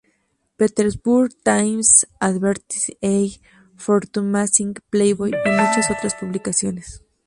Petersburg Times", "Advertising Age", "Fortune Magazine", "Playboy", y muchas otras publicaciones.